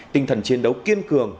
tinh thần chiến đấu kiên cường